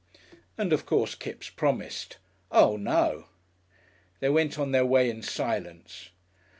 And of course Kipps promised. "Oo no!" They went on their way in silence.